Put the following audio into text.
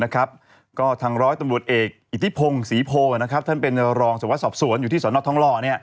ก็ทางร้อยตำรวจเอกอิทธิพงศรีโพท่านเป็นรองสวัสดิสอบสวนอยู่ที่สนทองหล่อ